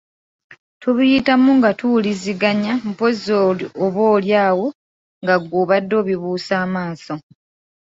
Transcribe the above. Tubiyitamu nga tuwuliziganya mpozzi oboolyawo nga ggwe obadde obibuusa amaaso.